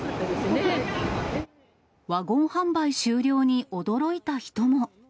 ワゴン販売終了に驚いた人も。